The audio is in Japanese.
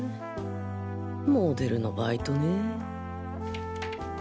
モデルのバイトねぇ